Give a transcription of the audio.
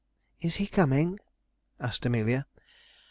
'Is he coming?' asked Amelia.